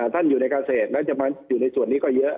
ท่านอยู่ในเกษตรแล้วจะมาอยู่ในส่วนนี้ก็เยอะ